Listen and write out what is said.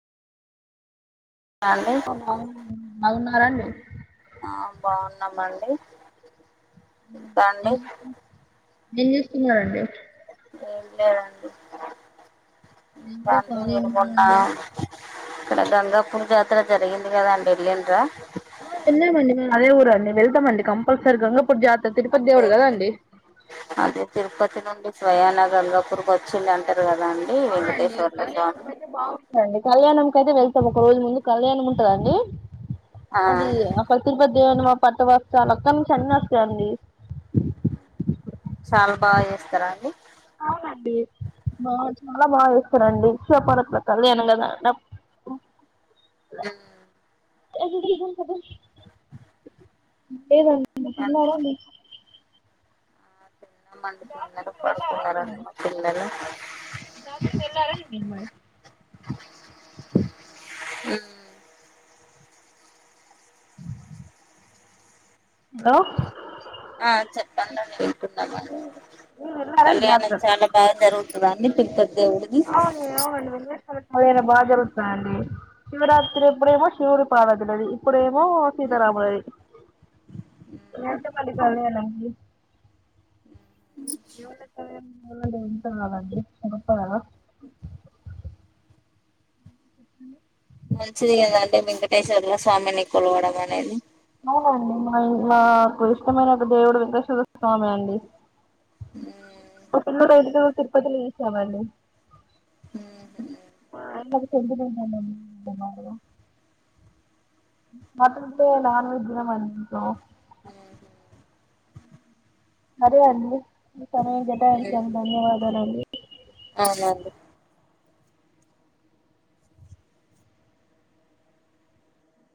అండి బాగున్నారండి ఆ బాగున్నామండి ఇంకాండి ఏం చేస్తున్నారండి ఏం లేదండి నేను కూడా కాదండి ఖాళీ మీరు మొన్నా ఉన్నానండి ఇక్కడ గంగాపూర్ జాతర జరిగింది కదా అండి వెళ్లిండ్రా ఆ వెళ్ళినాం అండి అదే ఊరండి వెళ్తామండి కంపల్సరీ గంగపూర్ జా అదే అదే తిరుపతి నుండి స్వయాన గంగాపూర్ కు వచ్చింది అంట కదా అండి వెంకటేశ్వర్ల స్వామి కళ్యాణం కైతే వెళ్తాం ఒక రోజు ముందు కళ్యాణం ఉంటదండి ఆ అది అక్కడ తిరుపత్ దేవునిమా పట్టు వస్త్రాలు అక్కడినుంచి అన్నొస్తాయండి చాలా బా చేస్తరా అండి అవునండి బా చాలా బా చేస్తరండి [inaudible] భారత్ లో కళ్యాణం కదా [unintelligible] కదు లేదన్ [inaudible] ల్లారా మీకు తిన్నమండి పిల్లలు పడుకున్నారండి మా పిల్లలు జాతర [inaudible] ఉమ్ హలో ఆ చెప్పండండి వింటున్నాము మీరు వెళ్ళారండి కళ్యాణం జాతరకు చాలా బాగా జరుగు తదా అండి పెద్ద అవును అవునండి [inaudible] బాగా జరుగుతాయండి శివరాత్రి అప్పుడేమో శివుడి పాలదినాయి ఇప్పుడే మో సీతారామది రెండు మరి పదిహేనండి ఎవ్డోత్తవే ఏమన్న ఉంటవా మరి ఉంటవా మంచిదే కదంటే వెంకటేశ్వర్ల స్వామిని కొలవడం అనేది అవునండి మా ఇంట్ల మాకు ఇష్టమైన ఒక దేవుడు వెంకటేశ్వర స్వామి అండి హుమ్ పిల్లోడు అయినతరువాత తిరుపతిలో ఏసామండి ఉహు మా అది సెంటిమెంట్ అండి మతుంటె నాన్ వెజ్ తినమండి ఉమ్ హు అదే అండి చన జతా ఉమ్ అయితను ధన్యవాదాలు అండి అవునండి